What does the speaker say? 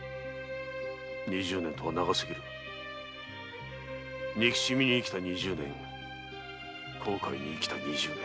二十年とは長すぎる憎しみに生きた二十年後悔に生きた二十年。